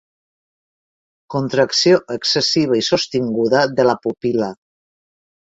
Contracció excessiva i sostinguda de la pupil·la.